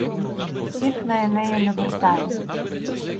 Всіх на Енея навертає